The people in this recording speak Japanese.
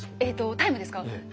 えっとタイムですか？